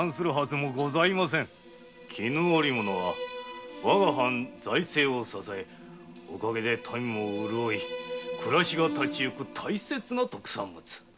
絹織物はわが藩財政を支え民も潤い暮らしが立ち行く大切な特産物。